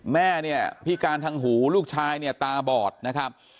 แม่เนี่ยพิการทางหูลูกชายเนี่ยตาบอดนะครับ